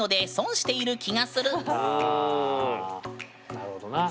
なるほどな。